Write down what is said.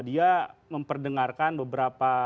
dia memperdengarkan beberapa